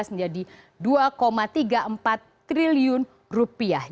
menjadi dua tiga puluh empat triliun rupiah